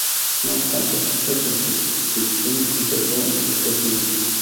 No obstante, esa circunscripción conservó sus dos miembros.